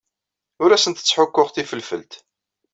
Ur asent-ttḥukkuɣ tifelfelt.